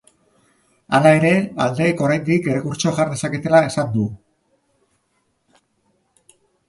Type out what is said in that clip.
Hala ere, aldeek oraindik errekurtsoa jar dezaketela esan du.